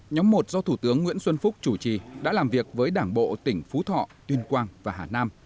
nhóm một do thủ tướng nguyễn xuân phúc chủ trì đã làm việc với đảng bộ tỉnh phú thọ tuyên quang và hà nam